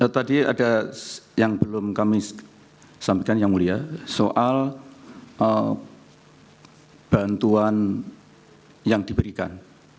tadi ada yang belum kami sampaikan yang mulia soal bantuan yang diberikan